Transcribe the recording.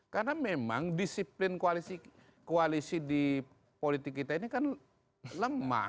karena memang disiplin koalisi di politik kita ini kan lemah